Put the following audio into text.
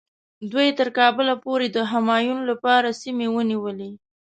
دوی تر کابله پورې د همایون لپاره سیمې ونیولې.